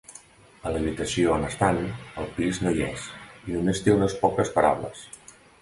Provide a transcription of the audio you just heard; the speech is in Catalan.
A l'habitació on estan, el pis no hi és, i només té unes poques taules.